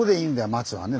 松はね。